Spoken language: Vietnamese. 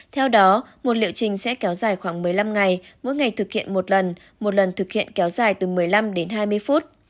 theo đó một liệu trình sẽ kéo dài khoảng một mươi năm ngày mỗi ngày thực hiện một lần một lần thực hiện kéo dài từ một mươi năm đến hai mươi phút